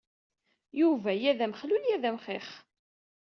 Yuba ya d amexlul, ya d amxix.